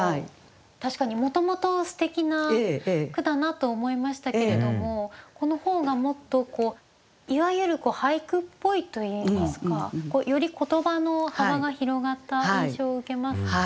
確かにもともとすてきな句だなと思いましたけれどもこの方がもっとこういわゆる俳句っぽいといいますかより言葉の幅が広がった印象を受けます。